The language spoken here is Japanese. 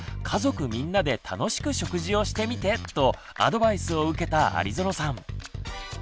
「家族みんなで楽しく食事をしてみて！」とアドバイスを受けた有園さん。